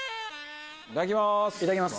いただきます！